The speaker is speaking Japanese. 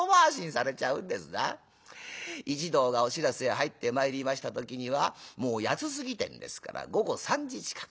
一同がお白州へ入ってまいりました時にはもう八つ過ぎてんですから午後３時近く。